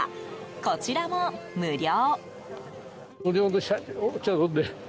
こちらも無料。